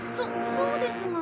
そそうですが。